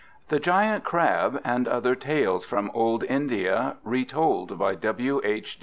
THE GIANT CRAB And Other Tales from Old India Retold by W. H.